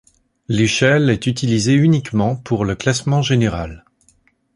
L'échelle est utilisée uniquement pour le classement général.